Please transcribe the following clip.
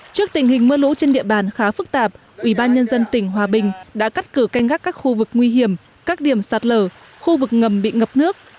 trước tình hình mưa lũ trên địa bàn khá phức tạp ủy ban nhân dân tỉnh hòa bình đã cắt cử canh gác các khu vực nguy hiểm các điểm sạt lở khu vực ngầm bị ngập nước